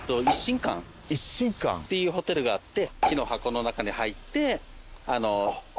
一心舘っていうホテルがあって。